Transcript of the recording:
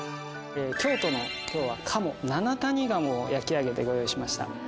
京都の七谷鴨を焼き上げてご用意しました。